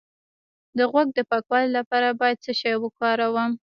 د غوږ د پاکوالي لپاره باید څه شی وکاروم؟